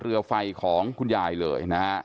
เรือไฟของคุณยายเลยนะฮะ